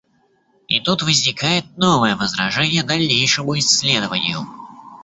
И тут возникает новое возражение дальнейшему исследованию.